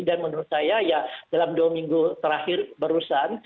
dan menurut saya dalam dua minggu terakhir barusan